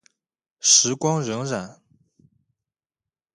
时光荏苒。